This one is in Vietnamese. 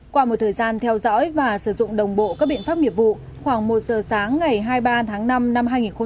qua một thời gian theo dõi và sử dụng đồng bộ các biện pháp nghiệp vụ khoảng một giờ sáng ngày hai mươi ba tháng năm năm hai nghìn hai mươi ba